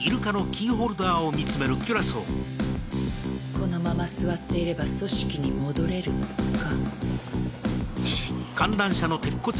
このまま座っていれば「組織」に戻れるか。